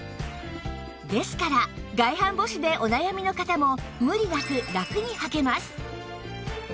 ですから外反母趾でお悩みの方も無理なくラクに履けます